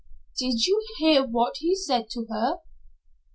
"Did you hear what he said to her?"